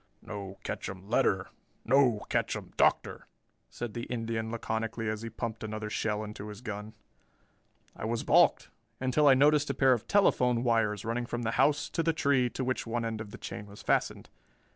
"No ketchum letter, no ketchum Doctor," said the Indian laconically as he pumped another shell into his gun. I was balked, until I noticed a pair of telephone wires running from the house to the tree to which one end of the chain was fastened.